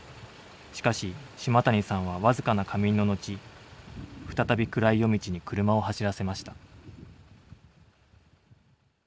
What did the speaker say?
しかし島谷さんは僅かな仮眠の後再び暗い夜道に車を走らせました。